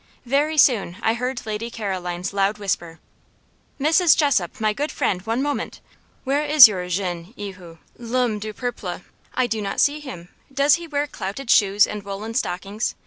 Very soon I heard Lady Caroline's loud whisper; "Mrs. Jessop, my good friend, one moment. Where is your 'jeune heros,' 'l'homme du peuple?' I do not see him. Does he wear clouted shoes and woollen stockings?